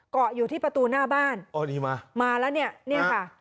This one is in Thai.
เกาะอยู่ที่ประตูหน้าบ้านอ๋อนี่มามาแล้วเนี่ยค่ะ